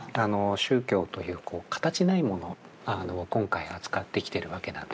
宗教という形ないものを今回扱ってきてるわけなんですけど。